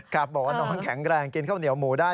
บอกว่าน้องแข็งแรงกินข้าวเหนียวหมูได้